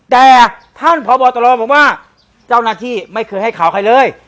แต่ท่านพบตรบอกว่าเจ้าหน้าที่ไม่เคยให้ข่าวใครเลย